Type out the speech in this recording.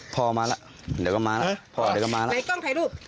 พ่อมาล่ะเดี๋ยวก็มาพ่อเดี๋ยวก็มาไปกล้องถ่ายรูป